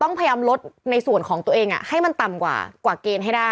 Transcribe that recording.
ต้องพยายามลดในส่วนของตัวเองให้มันต่ำกว่าเกณฑ์ให้ได้